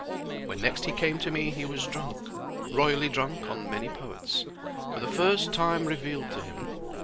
When next he came to me he was drunk—royally drunk on many poets for the first time revealed to him.